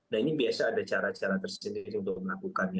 dan ini biasa ada cara cara tersendiri untuk melakukannya